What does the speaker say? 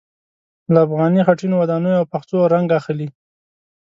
له افغاني خټينو ودانیو او پخڅو رنګ اخلي.